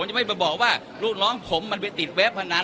ใจผมไม่ไปบอกว่าลูกน้องผมมันไปติดแล้วพันนั้น